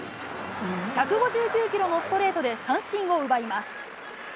１５９キロのストレートで三振を奪います。